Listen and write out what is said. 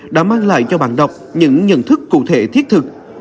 đã mang lại cho bạn đọc những nhận thức cụ thể thiết thực